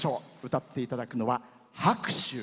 歌っていただくのは「白秋」。